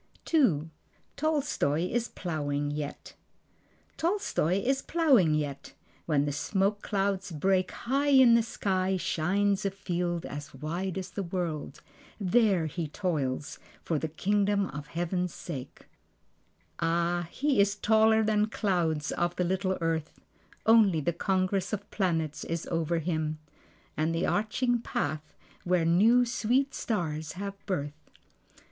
II. Tolstoi Is Plowing Yet Tolstoi is plowing yet. When the smoke clouds break, High in the sky shines a field as wide as the world. There he toils for the Kingdom of Heaven's sake. Ah, he is taller than clouds of the little earth. Only the congress of planets is over him, And the arching path where new sweet stars have birth.